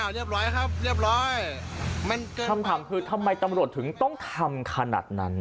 เรียบร้อยครับเรียบร้อยคำถามคือทำไมตำรวจถึงต้องทำขนาดนั้น